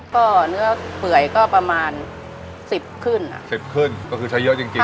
ก็เนื้อเปื่อยก็ประมาณสิบขึ้นอ่ะสิบขึ้นก็คือใช้เยอะจริงจริง